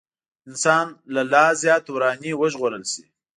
انسان له لا زيات وراني وژغورل شي.